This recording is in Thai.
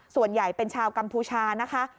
ส่วนใหญ่เป็นชาวกัมพูชานะคะ